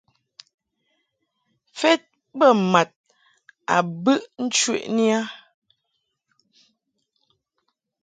Fed bə mad a bɨʼ ncheʼni a.